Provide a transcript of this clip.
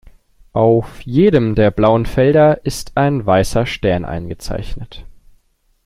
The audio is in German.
Auf jedem der blauen Felder ist ein weißer Stern eingezeichnet.